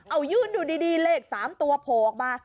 เอายื่นอยู่ดีเลข๓ตัวโผล่ออกมา